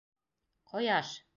Ҡояш!